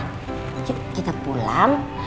yuk kita pulang